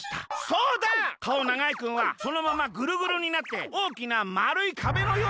『そうだ！』かおながいくんはそのままぐるぐるになっておおきなまるいかべのようになりました。